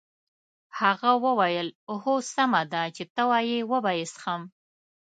هغه وویل هو سمه ده چې ته وایې وبه یې څښم.